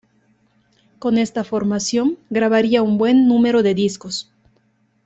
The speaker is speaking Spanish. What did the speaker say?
Con esta formación, grabaría un buen número de discos.